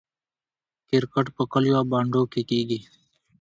کرکټ په کلیو او بانډو کې کیږي.